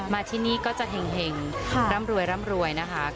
มาที่นี่ก็จะแห่งร่ำรวยนะคะ